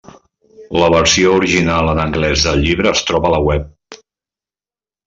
La versió original en anglès del llibre es troba a la web.